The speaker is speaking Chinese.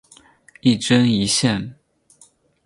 一针一线